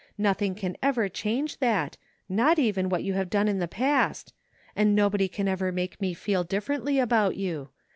Nothing can ever change that, not even what you have done in the past; and nobody can ever make me feel differently about you.